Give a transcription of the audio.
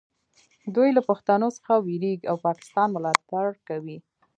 دوی له پښتنو څخه ویریږي او پاکستان ملاتړ کوي